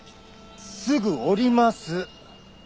すぐ下ります。